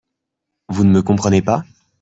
Vous ne me comprenez pas?